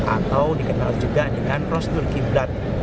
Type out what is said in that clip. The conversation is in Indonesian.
atau dikenal juga dengan prosedur qiblat